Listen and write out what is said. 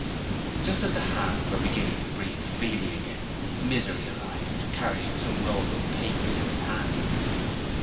Just as the 'hands' were beginning to breathe freely again, Misery arrived, carrying some rolled up papers in his hand.